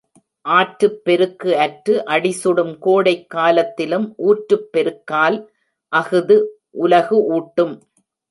ஆற்றுப் பெருக்கு அற்று அடிசுடும் கோடைக் காலத்திலும் ஊற்றுப் பெருக்கால் அஃது உலகு ஊட்டும்.